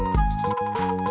nah udah udah